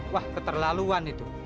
wah keterlaluan itu